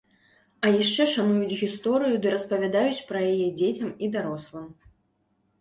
А яшчэ шануюць гісторыю ды распавядаюць пра яе дзецям і дарослым.